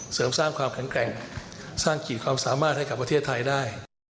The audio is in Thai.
เสริมสร้างความแข็งแกร่งสร้างขีดความสามารถให้กับประเทศไทยได้